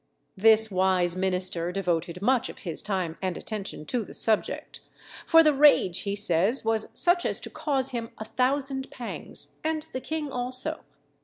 This wise minister devoted much of his time and attention to the subject; for the rage, he says, was such as to cause him a thousand pangs, and the king also.